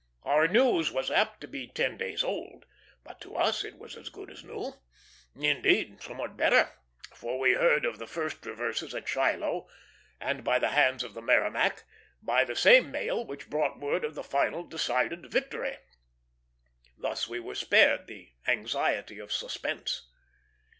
Our news was apt to be ten days old, but to us it was as good as new; indeed, somewhat better, for we heard of the first reverses at Shiloh, and by the hands of the Merrimac, by the same mail which brought word of the final decided victory. Thus we were spared the anxiety of suspense.